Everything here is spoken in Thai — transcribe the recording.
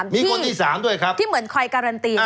มีคนที่สามที่เหมือนใครการันตี